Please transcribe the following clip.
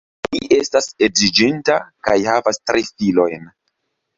Li estas edziĝinta kaj havas tri filojn.